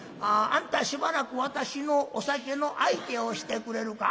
「あんたしばらく私のお酒の相手をしてくれるか？」。